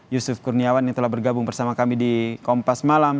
yusuf kurniawan yang telah bergabung bersama kami di kompas malam